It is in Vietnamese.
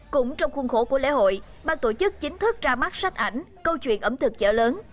cũng trong khuôn khổ của lễ hội ban tổ chức chính thức ra mắt sách ảnh câu chuyện ẩm thực chợ lớn